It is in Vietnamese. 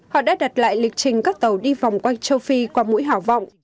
họ đã đặt lại lịch trình các tàu đi vòng quanh châu phi qua mũi hảo vọng